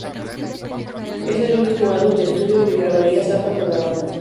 Es el último álbum de estudio que grabaría Zappa con la banda.